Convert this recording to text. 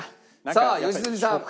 さあ良純さん。